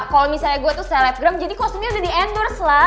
kalau misalnya gue tuh selebgram jadi kostumnya udah di endorse lah